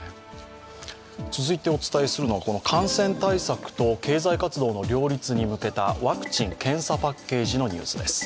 続いてお伝えするのは感染対策と経済活動の両立に向けたワクチン・検査パッケージのニュースです。